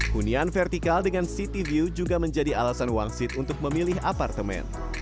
hunian vertikal dengan city view juga menjadi alasan wansit untuk memilih apartemen